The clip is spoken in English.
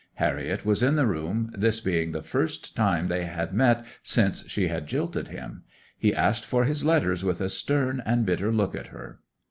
Harriet was in the room, this being the first time they had met since she had jilted him. He asked for his letters with a stern and bitter look at her.